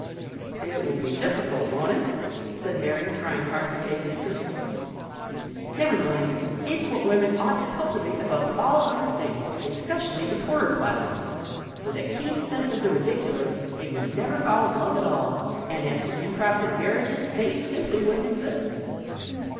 " It will be difficult, won't it ?" said Mary, trying hard to take an interest. " Never mind. It's what women ought to cultivate above all other things, especially the poorer classes. With a keen sense of the ridiculous, they would never fall in love at ALISON. 65 all; and as to improvident marriages, they wouldn't exist.